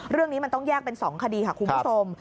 เรื่องนี้มันต้องแยกเป็น๒คดีค่ะคุณผู้ชม